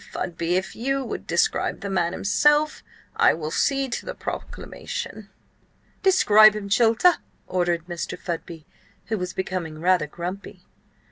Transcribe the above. Fudby, if you would describe the man himself, I will see to the proclamation." "Describe him, Chilter!" ordered Mr. Fudby, who was becoming rather grumpy.